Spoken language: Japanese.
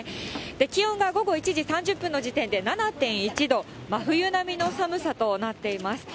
気温が午後１時３０分の時点で７．１度、真冬並みの寒さとなっています。